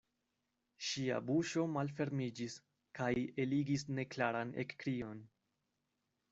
Ŝia buŝo malfermiĝis kaj eligis neklaran ekkrion.